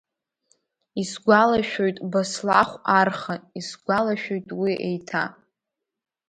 Исгәалашәоит Баслахә арха, исгәалашәоит уи еиҭа.